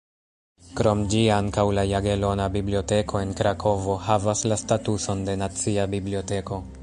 Krom ĝi, ankaŭ la Jagelona Biblioteko en Krakovo havas la statuson de "nacia biblioteko".